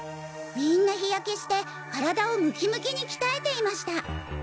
みんな日焼けして体をムキムキに鍛えていました。